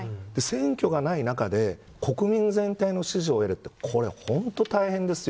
選挙がない中で国民全体の支持を得るってこれ、本当に大変ですよ。